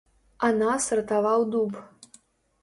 А нас ратаваў дуб.